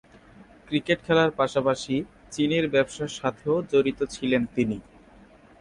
Cricket খেলার পাশাপাশি চিনির ব্যবসার সাথেও জড়িত ছিলেন তিনি।